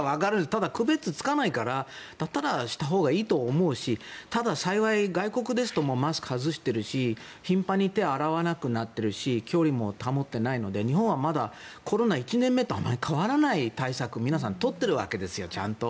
ただ区別がつかないからだったらしたほうがいいと思うしただ幸い、外国ですとマスクを外しているし頻繁に手を洗わなくなっているし距離も保っていないので日本はまだコロナ１年目とあまり変わらない対策を皆さん取っているわけですよちゃんと。